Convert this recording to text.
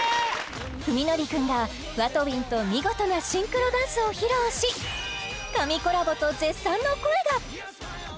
史記君がＷＡＴＷＩＮＧと見事なシンクロダンスを披露し神コラボと絶賛の声が！